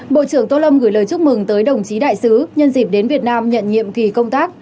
bộ trưởng tô lâm gửi lời chúc mừng tới đồng chí đại sứ nhân dịp đến việt nam nhận nhiệm kỳ công tác